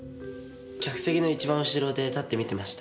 客席の一番うしろで立って見てました。